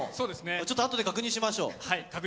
ちょっと後で確認しましょう。